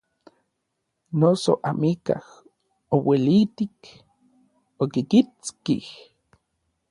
Noso amikaj ouelitik okikitskij.